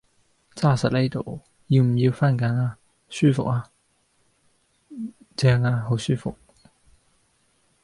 揸實呢度，要唔要番梘呀？舒服呀，正呀好舒服